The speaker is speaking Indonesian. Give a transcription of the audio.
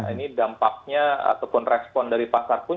ini dampaknya ataupun respon dari pasar pun